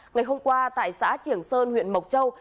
ngày hôm qua tại xã triển sơn huyện mộc châu